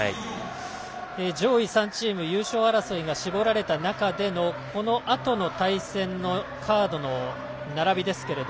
上位３チーム優勝争いが絞られた中でのこのあとの対戦のカードの並びです。